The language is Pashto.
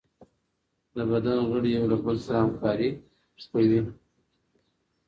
د بدن غړي یو له بل سره همکاري کوي.